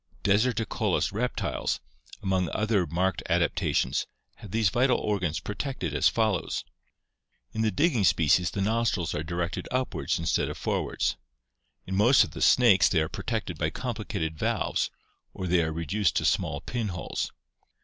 Deserticolous reptiles, among other marked adap tations, have these vital organs protected as follows: "In the digging species the nostrils are directed upwards instead of forwards; in most of the snakes they are protected by complicated valves, or they are reduced to small pinholes.